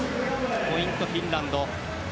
ポイント、フィンランド。